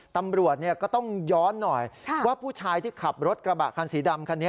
ตำรวจก็ต้องย้อนหน่อยว่าผู้ชายที่ขับรถกระบะคันสีดำคันนี้